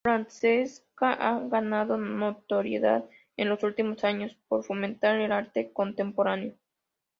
Francesca ha ganado notoriedad en los últimos años por fomentar el arte contemporáneo.